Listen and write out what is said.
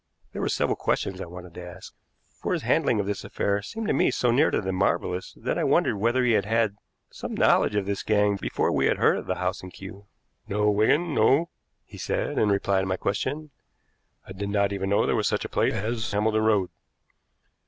There were several questions I wanted to ask, for his handling of this affair seemed to me so near to the marvelous that I wondered whether he had had some knowledge of this gang before we had heard of the house in Kew. "No, Wigan, no," he said, in reply to my question. "I did not even know there was such a place as Hambledon Road."